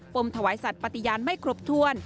มถวายสัตว์ปฏิญาณไม่ครบถ้วน